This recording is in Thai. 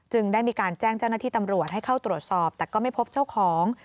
ได้มีการแจ้งเจ้าหน้าที่ตำรวจให้เข้าตรวจสอบแต่ก็ไม่พบเจ้าของ